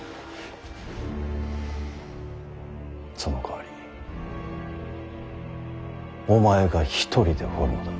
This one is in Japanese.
そのかわりお前が一人で彫るのだ。